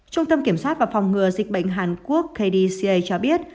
trung tâm kiểm soát và phòng ngừa dịch bệnh hàn quốc kdca cho biết